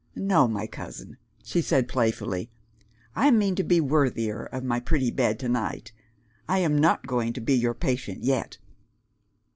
"No, my cousin," she said, playfully; "I mean to be worthier of my pretty bed to night; I am not going to be your patient yet."